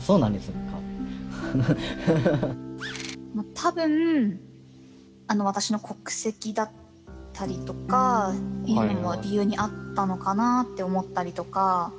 たぶん私の国籍だったりとかいうのも理由にあったのかなって思ったりとか。